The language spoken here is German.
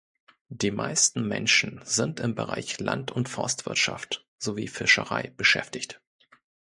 Die meisten Menschen sind im Bereich Land- und Forstwirtschaft, sowie Fischerei beschäftigt.